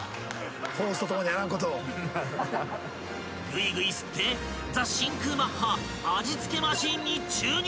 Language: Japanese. ［ぐいぐい吸ってザ★真空マッハ味付けマシンに注入！］